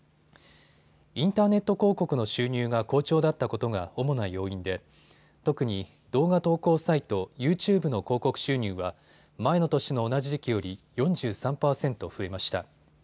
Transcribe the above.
インターネット広告の収入が好調だったことが主な要因で特に動画投稿サイト、ユーチューブの広告収入は前の年の同じ時期より４３％増えました。